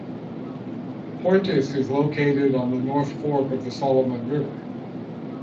Portis is located on the north fork of the Solomon River.